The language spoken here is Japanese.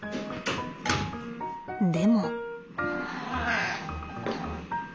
でも。